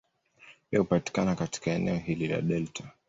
Pia hupatikana katika eneo hili la delta.